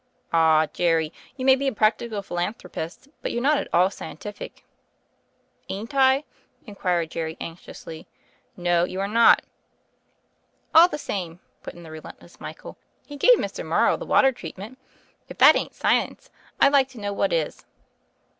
"Ah, Jerry, you may be a practical philan thropist; but you're not at all scientific." "Ain't I?" inquired Jerry anxiously. "No; you are not." "All the same," put in the relentless Michael, "he gave Mr. Morrow the water treatment. If that ain't science I like to know what is."